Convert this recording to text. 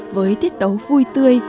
với tiết tấu vui tươi